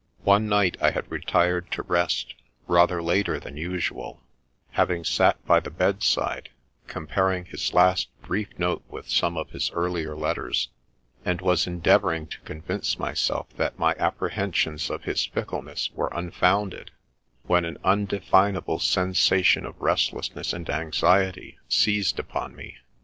*" One night I had retired to rest rather later than usual, having sat by the bedside, comparing his last brief note with some of his earlier letters, and was endeavouring to convince myself that my apprehensions of his fickleness were unfounded, when an undefinable sensation of restlessness and anxiety seized upon me.